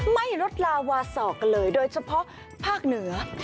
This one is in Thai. ไม่ลดลาวาสอกกันเลยโดยเฉพาะภาคเหนือ